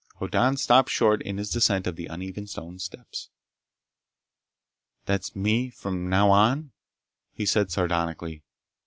Hoddan stopped short in his descent of the uneven stone steps. "That's me from now on?" he said sardonically.